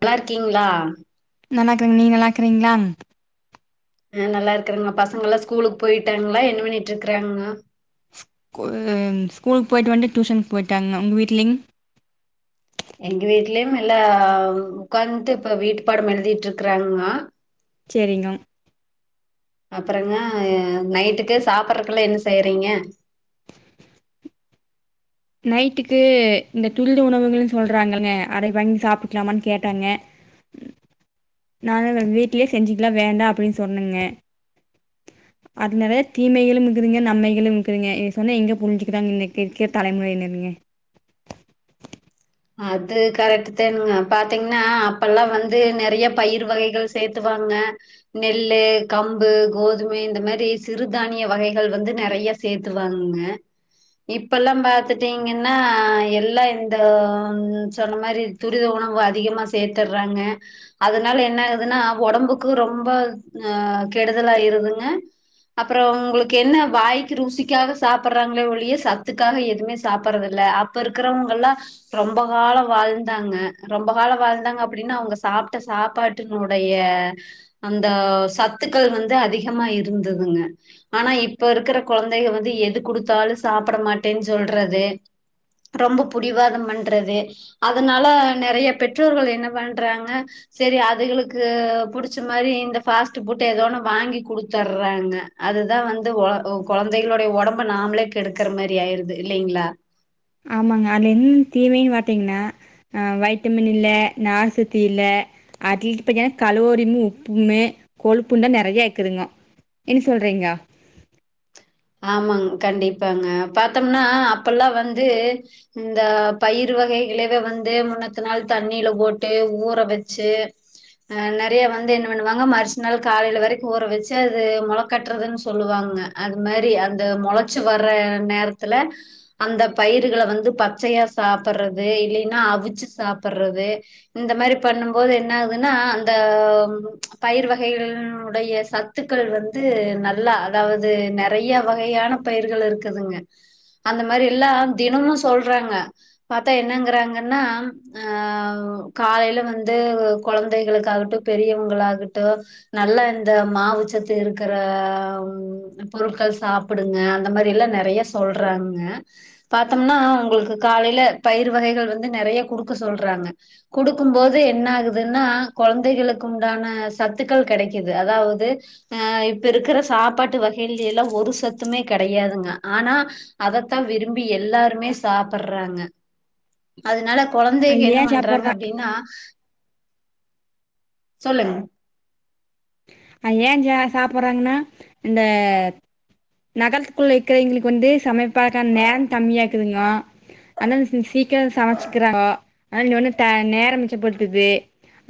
நல்லாருக்கீங்ளா நல்லாக்கங்க நீங் நல்லாக்றிங்ளாங் ஆ நல்லா இருக்றங்க பசங்கல்லா ஸ்கூலுக் போயிட்டாங்ளா என்னப் பண்ணிட்ருக்குறாங்கொ கூ ஸ்கூலுக் போய்ட்டு வன்ட்டு டியூஷனுக் போயிட்டாங்க உங் வீட்லிங் எங்க வீட்லியும் எல்லா உக்காந்த்ட்டு இப்ப வீட்டுப்பாடம் எழுதிட்ருக்குறாங்கோ சேரிங்கொ அப்பறங்க நைட்டுக்கு சாப்பர்றக்குலா என்ன செய்றீங்க நைட்டுக்கு இந்த துரித உணவுகளுன் சொல்றாங்கள்ங்க அதை வாங்கி சாப்புட்லாமான் கேட்டாங்கெ நா [unintelligible] வீட்லயே செஞ்சிக்லா வேண்டா அப்டின் சொன்னங்க அது நெறையா தீமைகளும் இக்குதுங்க நம்மைகளும் இக்குதுங்க இத சொன்னா எங்க புரிஞ்சிக்கிறாங்க இந்த [unintelligible] தலைமுறையினருங்க அது கரெக்ட்டு தானுங்க பாத்தீங்னா அப்பல்லா வந்து நெறைய பயிர் வகைகள் சேத்துவாங்க நெல்லு கம்பு கோதும இந்த மேரி சிறுதானிய வகைகள் வந்து நெறைய சேத்துவாங்க இப்பல்லா பாத்துட்டீங்கன்னா எல்லா இந்த அங் சொன்ன மாரி துரித உணவு அதிகமா சேத்தர்றாங்க அதுனால என்ன ஆகுதுன்னா ஒடம்புக்கு ரொம்ப ஆ கெடுதலாயிருதுங்க அப்பறோ உங்களுக்கு என்ன வாய்க்கு ருசிக்காக சாப்புர்றாங்களே ஒழிய சத்துக்காக எதுமே சாப்பர்றதில்ல அப்ப இருக்கறவங்கல்லா ரொம்ப காலோ வாழ்ந்தாங்க ரொம்ப காலோ வாழ்ந்தாங்க அப்டின்னா அவ்ங்க சாப்ட்ட சாப்பாட்டினுடைய அந்த சத்துக்கள் வந்து அதிகமா இருந்ததுங்க ஆனா இப்ப இருக்குற கொழந்தைங்க வந்து எது குடுத்தாலு சாப்புட மாட்டேன் சொல்றது ரொம்ப புடிவாதம் பன் றது அதுனால நெறைய பெற்றோர்கள் என்ன பண்றாங்க செரி அதுகளுக்கு புடிச்ச மாரி இந்த ஃபாஸ்ட்டு புட்ட ஏதோன்னு வாங்கி குடுத்தர்றாங்க அதுதா வந்து ஒழ கொழந்தைகளோடைய ஒடம்ப நாமளே கெடுக்குற மாரி ஆயிருது இல்லைங்ளா ஆமாங்க அத்ல என்னன் தீமைன் பாத்தீங்ன்னா ஆ வைட்டமின் இல்ல நார்சத்து இல்ல அதிகப்படியான கலோரினு உப்புமே கோழுப்புந்தா நெறைய இருக்குதுங்கோ என்ன சொல்றீங்கொ ஆமாங் கண்டிப்பாங்க பாத்தம்னா அப்பல்லா வந்து இந்த பயிர் வகைகளவே வந்து முன்னத்த நாள் தண்ணில போட்டு ஊற வெச்சு ஆ நெறைய வந்து என்ன பண்ணுவாங்க மறுச் நாள் காலைல வரைக்கு ஊற வச்சு அது மொள கட்றதுன் சொல்லுவாங்க மேரி அந்த மொளச்சு வர்ற நேரத்துல அந்த பயிர்கள வந்து பச்சையா சாப்பர்றது இல்லைன்னா அவிச்சு சாப்பர்றது இந்த மாரி பண்ணும் போது என்ன ஆகுதுன்னா அந்த பயிர் வகைகளினுடைய சத்துக்கள் வந்து நல்லா அதாவது நெ றையா வகையான பயிர்கள் இருக்குதுங்க அந்த மாரில்லா தினமு சொல்றாங்க பாத்தா என்னங்குறாங்கன்னா ஆ காலைல வந்து கொழந்தைகளுக்காகட்டு பெரியவங்களாகட்டு நல்ல இந்த மாவுச்சத்து இருக்குற பொருட்கள் சாப்புடுங்க அந்த மாரி எல்லா நெறைய சொல்றாங்க பாத்தோம்னா அவ்ங்களுக்கு காலைல பயிர் வகைகள் வந்து நெறைய குடுக்க சொல்றாங்க குடுக்கும்போது என்ன ஆகுதுன்னா கொழந்தைகளுக்குண்டான சத்துக்கள் கெடைக்கிது அதாவ்து ஆ இப்ப இருக்குற சாப்பாட்டு வ கைல்லா ஒரு சத்துமே கெடையாதுங்க ஆனா அதத்தா விரும்பி எல்லாருமே சாப்பர்றாங்க அதுனால அது கொழந்தைங்க என்ன ஏன் பண்றாங்க சாப்பிட்றா அப்டின்னா சொல்லுங்க அ ஏ ஜா சாப்புர்றாங்னா இந்த நகரத்குள்ள இக்கிறவைய்ங்ளுக்கு வந்து சமைப்பாக்கான நேர கம்மியாருக்குதுங்கோ அத்னால சி சீக்கிரொ சமச்சுக்கிறாங்கோ ஆனா இங்க வந்து த நேரோ மிச்சப்படுத்துது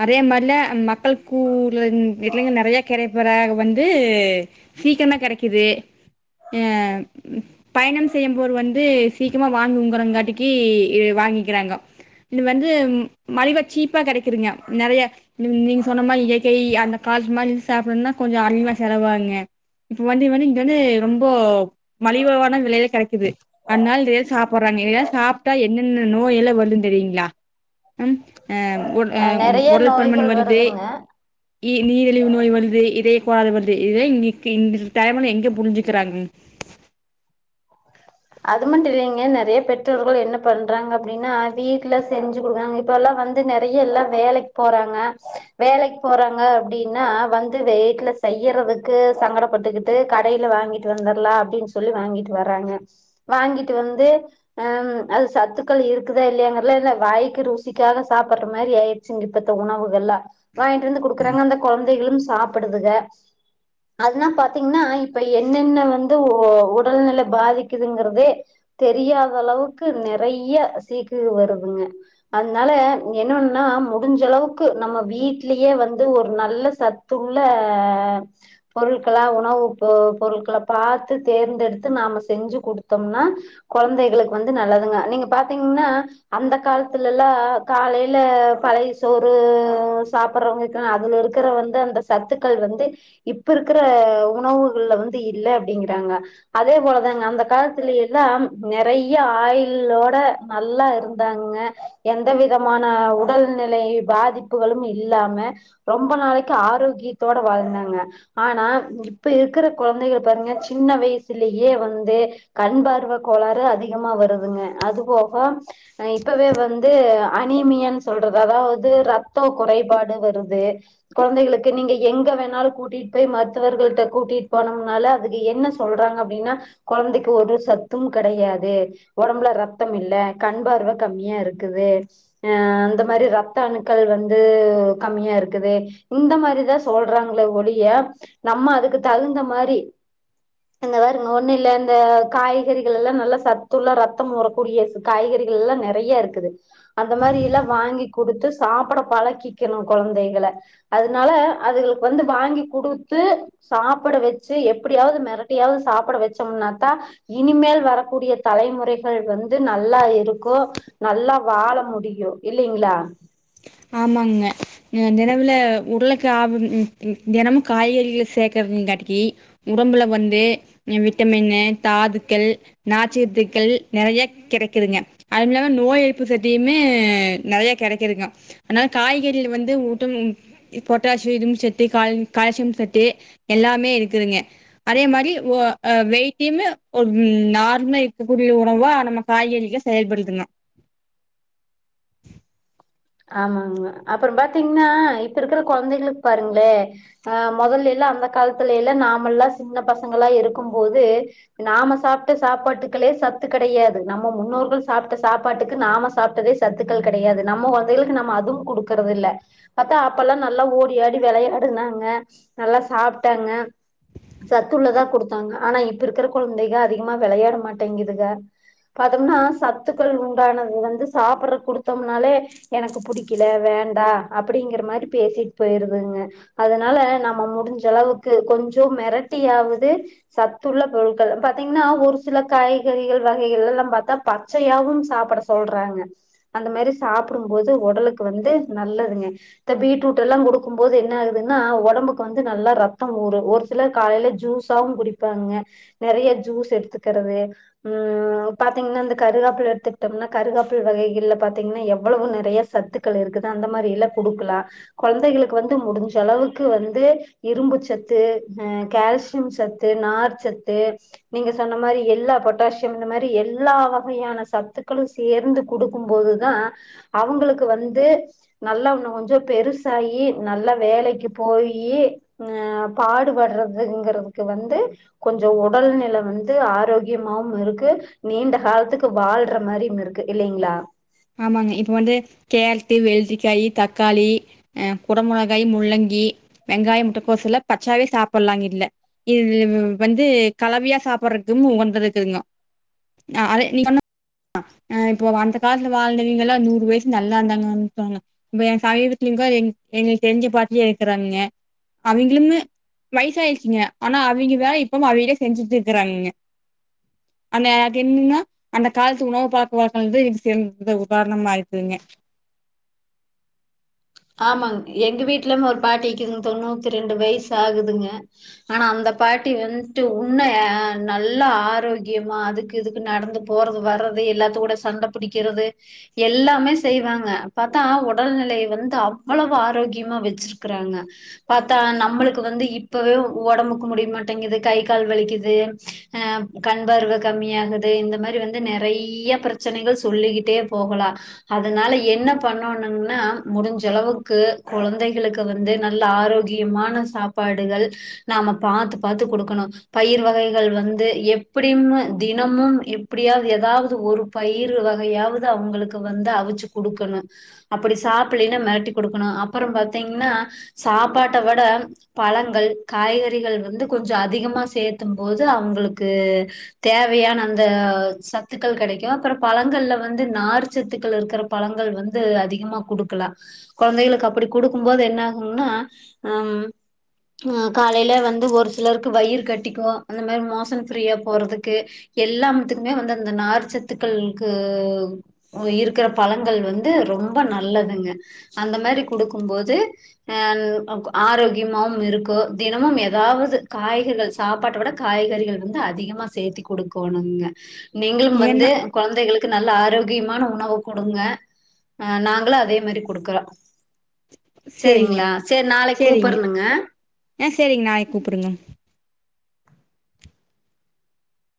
அதே மாரில மக்கள் கூர்லந்து [unintelligible] நறைய [unintelligible] வந்து சீக்கிரனா கெடைக்கிது யா பயணம் செய்யம் போரு வந்து சீக்கிரமா வாங்குங்குறங்கங்காட்டிக்கி வாங்கிக்கிறாங்கோ இது வந்து மலிவா சீப்பா கெடைக்குதுங்க நெறைய நீங் சொன்ன மாரி இயற்கை அந்த பால்ஸ் மாரி சாப்ணுன்னா கொஞ்சோ அதிகமா செலவாங்க இப்ப வந்து வந்து இங்க வந்து ரொம்போ மலிவவான விலையில கெடைக்கிது அத்னால [unintelligible] சாப்புர்றாங்க இதெல்லா சாப்ட்டா என்னென்ன நோய் எல்லா வரு தெரியுங்ளா ம் ஆ உ ஆ அ நெறைய உடல் பருமன் நோய்கள் வருது வருதுங்க நீரிழிவு நோய் வருது இது [unintelligible] இதே இங்குக்கு இந்த டைம்ல எங்க புரிஞ்சி க்கிறாங் அது மட்டு இல்லைங்க நெறைய பெற்றோர்கள் என்ன பண்றாங்க அப்டின்னா வீட்ல செஞ்சு குடுக்றாங்க இப்பல்லா வந்து நெறைய எல்லா வேலைக் போறாங்க வேலைக் போறாங்க அப்டின்னா வந்து வேட்ல செய்யறதுக்கு சங்கடப்பட்டுக்குட்டு கடையில வாங்கிட்டு வந்துர்லா அப்டின் சொல்லி வாங்கிட்டு வர்றாங்க வாங்கிட்டு வந்து ஆ அது சத்துக்கள் இருக்குதா இல்லையாங்கறதெல்லா இல்ல வாய்க்கு ருசிக்காக சாப்புர்ற மாரி ஆயிர்ச்சுங்க இப்பத்த உணவுகள்லா வாய்ன்ட்டு வந்து குடுக்குறாங்க அந்த கொழந்தைகளும் சாப்புடுதுக அத்னா பாத்தீங்கனா இப்ப என்னென்ன வந்து ஒ ஒடல்நிலை பாதிக் கிதுங்குறதே தெரியாத அளவுக்கு நெறைய சீக்குக வருதுங்க அத்னால நீங்க என்ன பண்ணுனா முடிஞ்ச அளவுக்கு நம்ம வீட்லயே வந்து ஒரு நல்ல சத்துள்ள பொருட்களா உணவு பொ பொருட்கள பாத்து தேர்ந்தெடுத்து நாம செஞ்சு குடுத்தோம்னா கொழந்தைகளுக்கு வந்து நல்லதுங்க நீங்க பாத்தீங்னா அந்த காலத்துலலா காலைல பழைய சோறு சாப்புர்றவங்க இக்கு அதுல இருக்குற வந்து அந்த சத்துக்கள் வந்து இப்ப இருக்குற உணவுகள்ல வந்து இல்ல அப்டிங்கிறாங்க அதே போலதாங்க அந்த காலத்துலயெல்லா நெறைய ஆயிள்ளோட நல்லா இருந்தாங்க எந்த விதமான உடல்நிலை பாதிப்புகளும் இல்லாம ரொம்ப நாளைக்கு ஆரோக்கியத்தோட வாழ்ந்தாங்க ஆனா இப்ப இருக்குற கொழந்தைகள பாருங்க சின்ன வயசுலயே வந்து கண்பார்வ கோளாறு அதிகமா வருதுங்க அது போக அ இப்பவே வந்து அனீமியான் சொல்றது அதாவ்து ரத்தொ குறைபாடு வருது கொழந்தைகளுக்கு நீங்க எங்க வேணாலு கூட்டிட் போய் மருத்துவர்கள்ட்ட கூட்டிட் போனோம்னால அதுக்கு என்ன சொல்றாங்க அப்டின்னா கொழந்தை பு ஒரு சத்தும் கெடையாது ஒடம்புல ரத்தம் இல்ல கண்பார்வ கம்மியா இருக்குது ஆ அந்த மாரி ரத்த அணுக்கள் வந்து கம்மியா இருக்குது இந்த மாரிதா சொல்றாங்களே ஒழிய நம்ம அதுக்கு தகுந்த மாரி இந்த பாருங்க ஒண்ணு இல்ல இந்த காய்கறிகளல்லா நல்லா சத்துள்ள ரத்தம் ஊறக்கூடிய ச காய்கறிகள்லா நெறைய இருக்குது அந்த மாரியெல்லா வாங்கி குடுத்து சாப்ட பழகிக்கெணு கொழந்தைகள அதுனால அதுகளுக்கு வந்து வாங்கி குடுத்து சாப்புட வச்சி எப்டியாவ்து மெரட்டியாவ்து சாப்ட வச்சோம்னா தா இனிமேல் வரக்கூடிய தலைமுறைகள் வந்து நல்லா இருக்கு நல்லா வாழ முடியு இல்லிங்களா ஆமாங்க தினவுல உடலுக்கு ஆ தினமு காய்கறிகள சேக்கறதுங்காட்டிக்கி உடம்புல வந்து விட்டமினு தாதுக்கள் நாச்சத்துக்கள் நெறைய கிடைக்குதுங்க அதுவுமில்லாம நோய் எதிர்ப்பு சத்தியுமே நெறைய கெடைக்குதுங்க அனால காய்கறில வந்து ஊட்டம் பொட்டாசியம் இரும்புச்சத்து கால் கால்சியம் சத்து எல்லாமே இருக்குதுங்க அதே மாரி் ஓ அ வெய்ட்டுயுமே ஒரு நார்மல் இருக்கக்கூடிய உணவா நம்ம காய்கறிகள் செயல்படுத்தனு ஆமாங்க அப்புறோ பாத்தீங்ன்னா இப்ப இருக்கிற கொழந்தைகளுக் பாருங்ளே ஆ மொதல்லேலா அந்த காலத்துலைலா நாமல்லா சின்ன பசங்களா இருக்கும்போது நாம சாப்ட்ட சாப்பாட்டுக்களே சத்து கெடையாது நம்ம முன்னோர்கள் சாப்ட்ட சாப்பாட்டுக்கு நாம சாப்ட்டதே சத்துக்கள் கெடையாது நம்ம வந் பிள்ளைளுக்கு நம்ம அதுவு குடுக்குறதில்ல பாத்தா அப்பெல்லா நல்லா ஓடி ஆடி வெளையாடுனாங்க நல்லா சாப்ட்டாங்க சத்துள்ளதா குடுத்தாங்க ஆனா இப்ப இருக்கிற குழந்தைக அதிகமா விளையாடமாட்டேங்குதுக பாத்தோனா சத்துக்கள் உண்டானது வந்து சாப்பிடுறக்கு குடுத்தோம்னாலே எனக்கு புடிக்கல வேண்டா அப்டிங்கிற மாரி பேசிட்டு போயிருதுங்க அதனால நம்ம முடிஞ்ச அளவுக்கு கொஞ்சோ மெரட்டியாவது சத்துள்ள பொருள்கள் பாத்தீங்கன்னா ஒரு சில காய்கறிகள் வகைகள்லலாம பாத்தா பச்சையாவு சாப்பிட சொல்றாங்க அந்த மாரி சாப் பிடும்போது உடலுக்கு வந்து நல்லதுங்க இந்த பீட்ரூட்டெல்லா குடுக்கும்போது என்ன ஆகுதுன்னா ஒடம்புக்கு வந்து நல்ல ரத்தோ ஊரு ஒரு சிலர் காலைல ஜூஸாவு குடிப்பாங்க நெறைய ஜூஸ் எடுத்துக்கிறது ம் பாத்தீங்னா இந்த கருகப்ல எடுத்துகிட்டோம்னா கருகப்பிள்ள வகைகள் பாத்தீங்கனா எப் எவ்வளோ நெறைய சத்துக்கள் இருக்குது அந்த மாரி எல்லா குடுக்கலா கொழந்தைகளுக்கு வந்து முடிஞ்ச அளவுக்கு வந்து இரும்புச்சத்து அ கல்சியம் சத்து நார்ச்சத்து நீங்க சொன்ன மாரி எல்லா பொட்டாசியம் இந்த மாரி எல்லா வகையான சத்துக்களு சேர்ந்து குடுக்கும்போதுதா அவங்களுக்கு வந்து நல்லா இண்ணு கொஞ்சோ பெருசாயி நல்லா வேலைக்கு போயி அ பாடுபடுறதுங்கிறதுக்கு வந்து கொஞ்சோ உடல் நில வந்து ஆரோக்கியமாவு இருக்கு நீண்ட காலத்துக்கு வாழ்ற மாரியும் இருக்கு இல்லைங்ளா ஆமாங்க இப்ப வந்து கேரட்டு வெள்ரிக்காயி தக்காளி அ குடமுளகாய் முள்ளங்கி வெங்காயம் முட்டக்கோஸ் எல்லா பச்சையாவே சாப்பிட்லாங்க இல்ல இது வந்து கலவையா சாப்பிடுறதும் உகந்து இருக்குதுங்க ஆ அதே நீ இப்போ வந்த அந்த காலத்துல வாழ்ந்தவெங்கல்லா நூறு வயசு நல்லா இருந்தாங்க சொல்லுவாங்க இ என் சமீபத்துல எங்களுக்கு தெரிஞ்ச பாட்டியே இருக்கிறாங்கங்க அவிங்களளுமே வயசாயிடுச்சுங்க ஆனா அவிங்க வேல இப்பவு அவிங்களே செஞ்சுட்டு த இருக்குறாங்கங்க அந்த எனக்கு என்னன்னா அந்த காலத்து உணவு பழக்க வழக்கங்கள் [unintelligible] உதாரண இருக்குதுங்க ஆமாங்க எங்க வீட்டுலமே ஒரு பாட்டிக்குங்க தொண்ணூத்தி ரெண்டு வயசு ஆகுதுங்க ஆனா அந்த பாட்டி வந்துட்டு உன்னு நல்லா ஆரோக்கியமா அதுக்கு இதுக்கு நடந்து போறது வர்றது எல்லாத்து கூட சண்ட பிடிக்கிறது எல்லாமே செய்வாங்க பாத்தா ஒடல்நிலை வந்து ந்து அவ்வளவு ஆரோக்கியமா வச்சிருக்கிறாங்க பாத்தா நம்மளுக்கு வந்து இப்பவே ஒடம்புக்கு முடிய மாட்டேங்குது கை கால் வலிக்குது அ கண்பார்வ கம்மியாகுது இந்த மாரி வந்து நெறைய பிரச்சனைகள் சொல்லிகிட்டே போகலா அதனால என்ன பண்ணோணும்னா முடிஞ்ச ஞ்சளவுக்கு குழந்தைகளுக்கு வந்து நல்ல ஆரோக்கியமான சாப்பாடுகள் நாம பாத்து பாத்து குடுக்கணு பயிர் வகைகள் வந்து எப்டியும் தினமும் எப்டியாது எதாது ஒரு பயிர் வகையாவது அவங்களுக்கு வந்து அவிச்சு குடுக்கணு அப்டி சாப்லை னா மெரட்டி குடுக்கணு அப்புறோ பாத்தீங்ன்னா சாப்பாட்ட விட பழங்கள் காய்கறிகள் வந்து கொஞ்சோ அதிகமா சேத்தும்போது அவங்களுக்கு தேவையான அந்த சத்துக்கள் கெடைக்கு அப்புறோ பழங்கள்ல வந்து நார்ச்சத்துக்கள் இருக்கிற பழங்கள் வந்து அதிகமா குடுக்கலா கொழந்தைகளுக்கு அப்டி குடுக்கும் போது என்ன ஆகும்னா அம் ம் காலையில வந்து ஒரு சிலருக்கு வயிறு கட்டிக்கு அந்த மாரி மோஷன் ஃப்ரீயா போறதுக்கு எல்லாம்த்துக்குமே வந்து அந்த நார்ச்சத்துக்களுக்கு இருக்குற பழங்கள் வந்து ரொம்ப நல்லதுங்க அந்த மாரி குடுக்கும்போது அ ஆரோக்கியமாவு இருக்கு தினமும் ஏதாவது காய்கறிகள் சாப்பாட்ட விட காய்கறிகள் வந்து அதிகமா சேத்தி குடுக்கோணுங்க நீங்களும் வந்து ஏன்னா கொழந்தைகளுக் க்கு நல்ல ஆரோக்கியமான உணவ குடுங்க அ நாங்களு அதே மாரி கு குடுக்கா சேரிங்க சேரிங்க ஏ சேரிங்க நாளை கூப்டுங்க